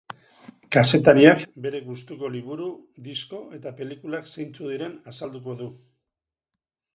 Kazetariak bere gustuko liburu, disko eta pelikulak zeintzuk diren azalduko du.